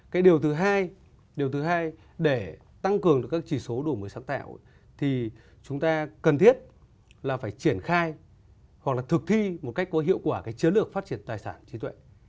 cái điều thứ hai điều thứ hai để tăng cường được các chỉ số đổi mới sáng tạo thì chúng ta cần thiết là phải triển khai hoặc là thực thi một cách có hiệu quả cái chiến lược phát triển tài sản trí tuệ